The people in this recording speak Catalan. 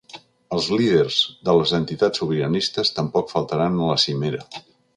Els líders de les entitats sobiranistes tampoc faltaran a la cimera.